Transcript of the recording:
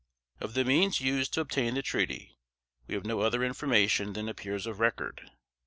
Of the means used to obtain the treaty, we have no other information than appears of record.